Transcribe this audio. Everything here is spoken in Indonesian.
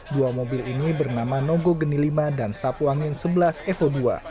dua mobil ini bernama nogogeni lima dan sapuangin sebelas evo dua